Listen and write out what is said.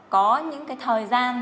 có những thời gian